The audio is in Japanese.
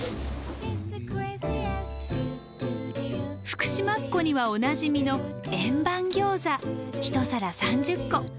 福島っ子にはおなじみの１皿３０個